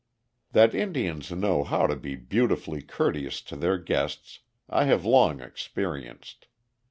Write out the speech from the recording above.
That Indians know how to be beautifully courteous to their guests, I have long experienced.